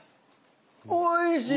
おいしい！